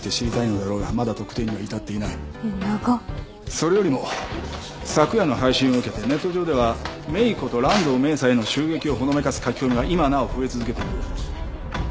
それよりも昨夜の配信を受けてネット上ではＭＡＹこと蘭堂明紗への襲撃をほのめかす書き込みが今なお増え続けている。